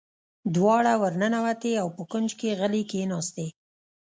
دواړې ور ننوتې او په کونج کې غلې کېناستې.